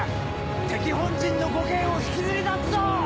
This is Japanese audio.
敵本陣の呉慶を引きずり出すぞ！